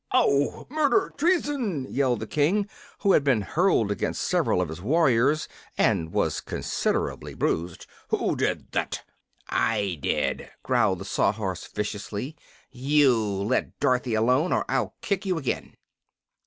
"Ow! Murder! Treason!" yelled the King, who had been hurled against several of his warriors and was considerably bruised. "Who did that?" "I did," growled the Sawhorse, viciously. "You let Dorothy alone, or I'll kick you again."